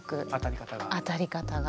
当たり方が？